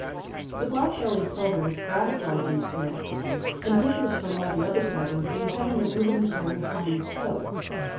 The Black bellied Plover is grouse like in appearance and differs from all the other plovers in having a rudimentary hind toe.